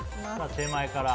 手前から。